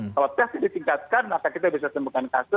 kalau tes ditingkatkan maka kita bisa temukan kasus